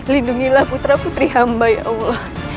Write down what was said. lindungilah putra putri hamba ya allah